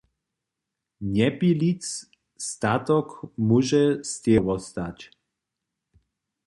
Njepilic statok móže stejo wostać.